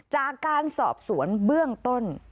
จากการสอบสวนเบื้องต้น